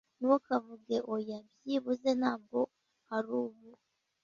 Ntukavuge oya, byibuze ntabwo arubu